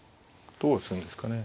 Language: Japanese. どうするんですかね。